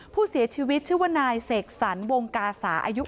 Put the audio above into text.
ผู้เสียชีวิตชื่อว่านายเสกสรรวงกาสาอายุ